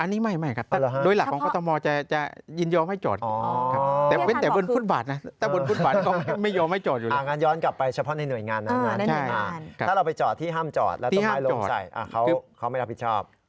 ถ้าเราไปจอดที่ห้ามจอดแล้วต้มไม้ลงใส่เขาไม่รับผิดชอบ